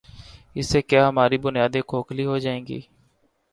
اس سے کیا ہماری بنیادیں کھوکھلی ہو جائیں گی؟